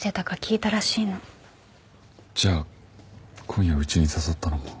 じゃあ今夜うちに誘ったのも。